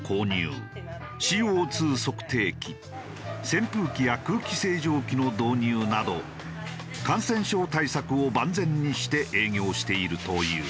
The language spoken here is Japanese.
ＣＯ２測定器扇風機や空気清浄機の導入など感染症対策を万全にして営業しているという。